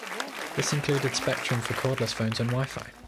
This included spectrum for cordless phones and Wi-Fi.